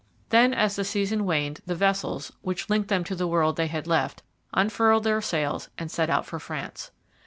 Then as the season waned the vessels, which linked them to the world they had left, unfurled their sails and set out for France.